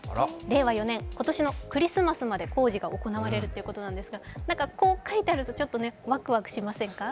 令和４年、今年のクリスマスまで工事が行われるということですが、こう書いてあるとちょっとワクワクしませんか。